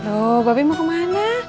loh babi mau kemana